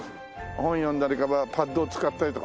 本読んだりパッドを使ったりとか。